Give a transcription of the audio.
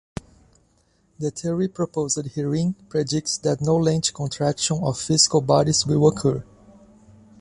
The theory proposed herein predicts that no length contraction of physical bodies will occur.